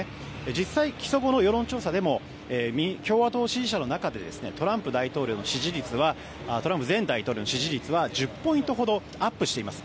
実際、起訴後の世論調査でも共和党支持者の中でトランプ前大統領の支持率は１０ポイントほどアップしています。